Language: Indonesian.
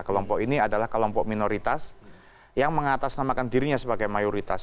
kelompok ini adalah kelompok minoritas yang mengatasnamakan dirinya sebagai mayoritas